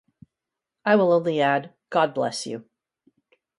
I will only add, God bless you.